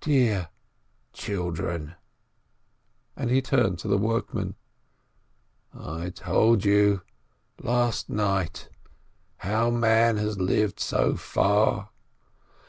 Dear chil — dren —" and he turned to the workmen, "I told you — last night — how man has lived so far.